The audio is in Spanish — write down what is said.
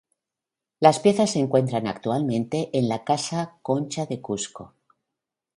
Las piezas se encuentra actualmente en la Casa Concha de Cusco.